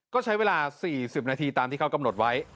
ก็ใช้เวลา๔๐นาทีตามที่เขากำหนดไว้